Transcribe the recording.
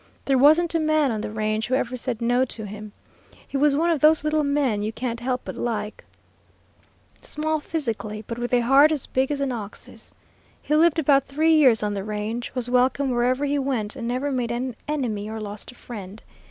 There wasn't a man on the range who ever said 'No' to him. He was one of those little men you can't help but like; small physically, but with a heart as big as an ox's. He lived about three years on the range, was welcome wherever he went, and never made an enemy or lost a friend.